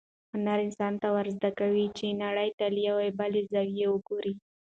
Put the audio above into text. هنر انسان ته دا ورزده کوي چې نړۍ ته له یوې بلې زاویې وګوري.